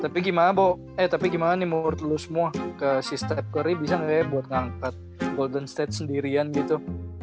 tapi gimana bo eh tapi gimana nih menurut lo semua ke si steve kerr ini bisa gak ya buat ngangkat golden state sendirian gitu